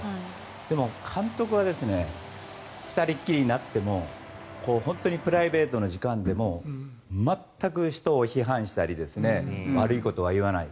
でも監督は２人きりになっても本当にプライベートの時間でも全く人を批判したり悪いことは言わない。